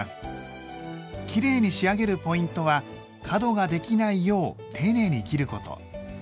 きれいに仕上げるポイントは角ができないよう丁寧に切ること。